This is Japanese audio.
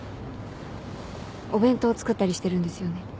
お弁当作ったりしてるんですよね？